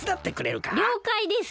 りょうかいです。